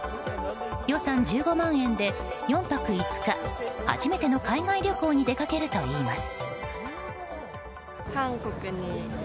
予算１５万円で、４泊５日初めての海外旅行に出かけるといいます。